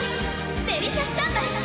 デリシャスタンバイ！